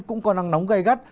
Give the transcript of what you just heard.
cũng có nắng nóng gây gắt